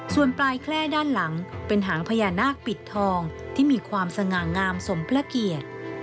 ส่วนปลายแคล่ด้านหลังเป็นหางพญานาคปิดทองที่มีความสง่างามสมพระเกียรติ